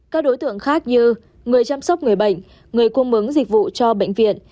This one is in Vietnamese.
các đối tượng khác như người chăm sóc người bệnh người cung bướng dịch vụ cho bệnh viện